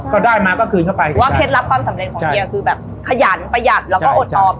ก็ได้มาก็คืนเข้าไปว่าเคล็ดลับความสำเร็จของเฮียคือแบบขยันประหยัดแล้วก็อดออม